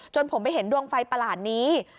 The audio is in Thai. ผมไปเห็นดวงไฟประหลาดนี้